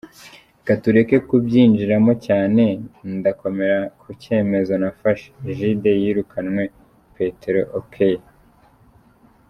Reka tureke kubyinjiramo cyane, ndakomera ku cyemezo nafashe, Jude yirukanywe - Peter Okoye.